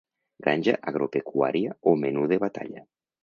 Granja agropecuària o menú de batalla.